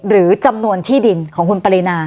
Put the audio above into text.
หรือจำนวนที่ดินของคุณปรินา